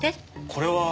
これは？